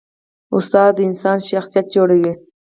استاد د انسان شخصیت جوړوي.